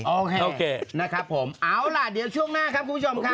โอเคโอเคนะครับผมเอาล่ะเดี๋ยวช่วงหน้าครับคุณผู้ชมครับ